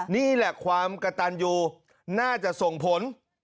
นี่แหละความกระตันอยู่น่าจะส่งผล